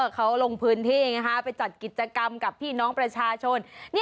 เขาลงพื้นที่ไปจัดกิจกรรมกับพี่น้องประชาชน